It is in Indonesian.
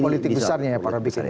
politik besarnya ya pak robikin